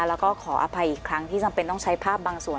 แล้วก็ขออภัยอีกครั้งที่จำเป็นต้องใช้ภาพบางส่วน